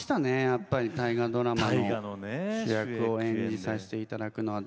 やっぱり大河ドラマの主役を演じさせていただくのは。